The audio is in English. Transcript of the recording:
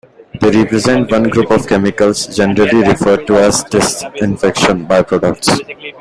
They represent one group of chemicals generally referred to as disinfection by-products.